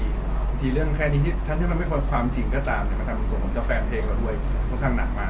บางทีเรื่องแค่นี้ทั้งที่มันไม่เป็นความจริงก็ตามแต่ก็ทำส่วนผลกับแฟนเพลงเราด้วยค่อนข้างหนักมาก